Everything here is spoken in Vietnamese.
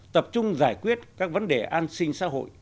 tập trung giải quyết các vấn đề an sinh xã hội